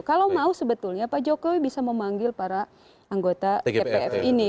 kalau mau sebetulnya pak jokowi bisa memanggil para anggota tpf ini